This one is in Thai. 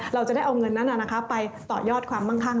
เราจะได้เอาเงินนั้นไปต่อยอดความมั่งคั่ง